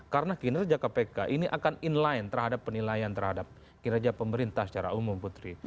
karena kinerja kpk ini akan inline terhadap penilaian terhadap kinerja pemerintah secara umum putri